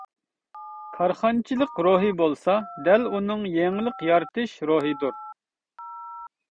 كارخانىچىلىق روھى بولسا دەل ئۇنىڭ يېڭىلىق يارىتىش روھىدۇر.